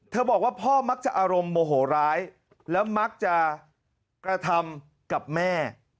บอกว่าพ่อมักจะอารมณ์โมโหร้ายแล้วมักจะกระทำกับแม่